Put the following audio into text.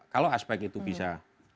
kalau aspek itu bisa